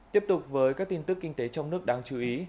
tiếp tục với các tin tức kinh tế trong nước đáng chú ý